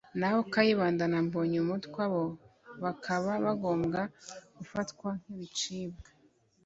naho Kayibanda na Mbonyumutwa bo bakaba bagomba gufatwa nk’ibicibwa